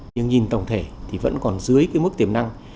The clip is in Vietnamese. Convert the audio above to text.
nhưng nhìn tổng thể thì vẫn còn dưới cái mức tiềm năng